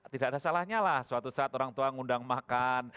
tidak ada salahnya lah suatu saat orang tua ngundang makan